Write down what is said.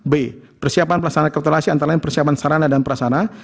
b persiapan perasana rekapitulasi antara lain persiapan sarana dan perasana